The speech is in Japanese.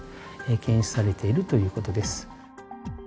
検出されているということです。